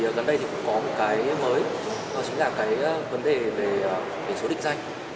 thì gần đây thì cũng có một cái mới đó chính là cái vấn đề về số định danh